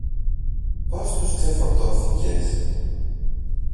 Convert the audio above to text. Πώς τους ξεφορτώθηκες;